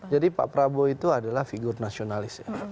jadi pak prabowo itu adalah figur nasionalis